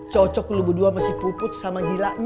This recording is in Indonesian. cocok lo berdua sama si puput sama gilanya